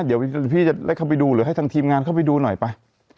เดี๋ยวพี่จะได้เข้าไปดูหรือให้ทางทีมงานเข้าไปดูหน่อยไป